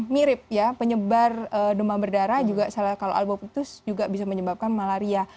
mirip ya penyebar demam berdarah juga kalau alboputus juga bisa menyebabkan malaria